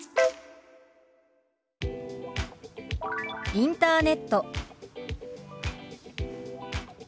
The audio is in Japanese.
「インターネット」。